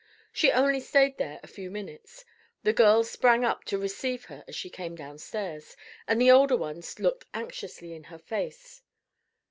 She only stayed there a few minutes. The girls sprang up to receive her as she came downstairs, and the older ones looked anxiously in her face.